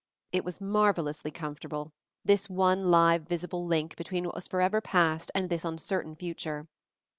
It was marvelously comfort ing, this one live visible link between what was forever past and this uncertain future.